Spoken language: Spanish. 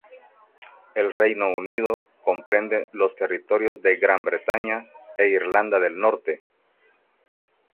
El Reino Unido comprende los territorios de Gran Bretaña e Irlanda del Norte.